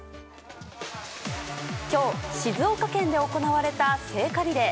今日、静岡県で行われた聖火リレー。